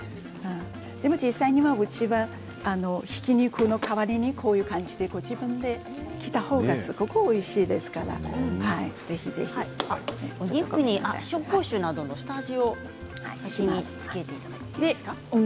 でも実際にはうちはひき肉の代わりにこういう感じで自分で切ったほうがすごくおいしいですから紹興酒などの下味をつけていただけますか。